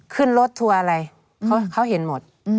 ขึ้นรถทัวร์อะไรเขาเห็นหมด